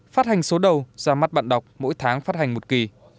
phát hành số đầu ra mắt bạn đọc mỗi tháng phát hành một kỳ